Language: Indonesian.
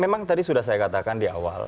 memang tadi sudah saya katakan di awal